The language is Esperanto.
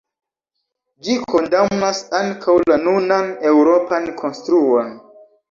Ĝi kondamnas ankaŭ la nunan eŭropan konstruon.